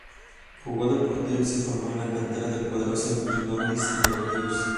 Jugó de portero y se formó en la cantera del poderoso Girondins de Burdeos.